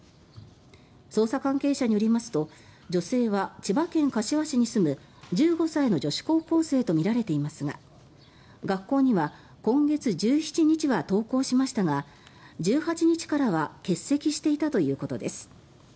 捜査関係者によりますと女性は千葉県柏市に住む１５歳の女子高校生とみられていますが学校には今月１７日は登校しましたが１８日からは欠席していたということです。